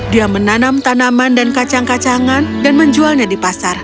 dia menanam tanaman dan kacang kacangan dan menjualnya di pasar